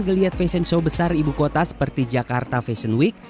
geliat fashion show besar ibu kota seperti jakarta fashion week